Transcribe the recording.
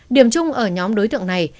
điểm chung ở nhóm đối tượng này